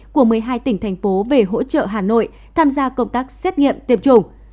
của một mươi hai tỉnh thành phố về hỗ trợ hà nội tham gia công tác xét nghiệm tiêm chủng